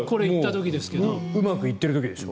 うまく行ってる時でしょ。